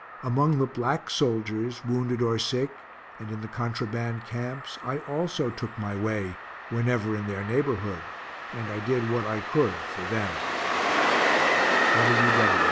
Among the black soldiers, wounded or sick, and in the contraband camps, I also took my way whenever in their neighborhood, and I did what I could for them.